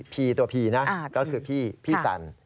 พี่ตัวพี่นะก็คือพี่พี่สัน